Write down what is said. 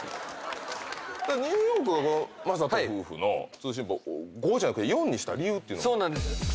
ニューヨークは魔裟斗夫婦の通信簿５じゃなくて４にした理由っていうのは？